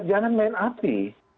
jangan main api